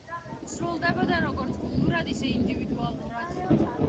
სრულდებოდა როგორც გუნდურად, ისე ინდივიდუალურად.